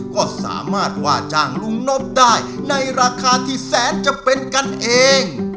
ก็สามารถว่าจ้างลุงนบได้ในราคาที่แสนจะเป็นกันเอง